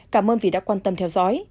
cảm ơn vì đã quan tâm theo dõi